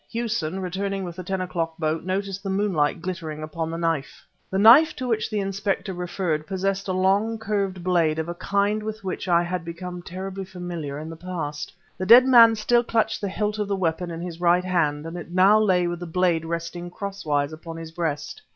Hewson, returning with the ten o'clock boat, noticed the moonlight glittering upon the knife." The knife to which the Inspector referred possessed a long curved blade of a kind with which I had become terribly familiar in the past. The dead man still clutched the hilt of the weapon in his right hand, and it now lay with the blade resting crosswise upon his breast.